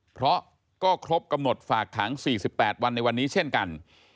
เพราะก็ครบกำหนดฝากขัง๔๘วันในวันนี้เช่นกัน